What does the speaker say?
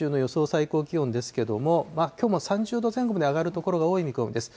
最高気温ですけども、きょうも３０度前後まで上がる所が多い見込みです。